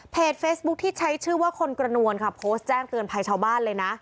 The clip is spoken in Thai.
เฟซบุ๊คที่ใช้ชื่อว่าคนกระนวลค่ะโพสต์แจ้งเตือนภัยชาวบ้านเลยนะ